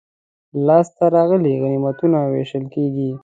لاسته راغلي غنیمتونه وېشل کیږي.